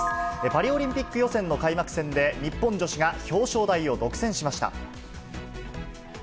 パリオリンピック予選の開幕戦で、日本女子が表彰台を独占しました。